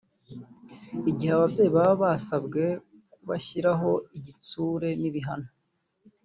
igihe ababyeyi baba basabwa kubashyiraho igitsure n’ibihano